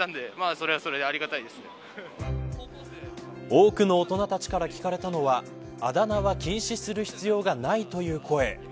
多くの大人たちから聞かれたのはあだ名は禁止する必要がないという声。